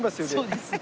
そうです。